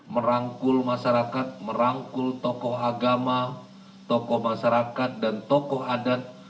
merangkul masyarakat merangkul tokoh agama tokoh masyarakat dan tokoh adat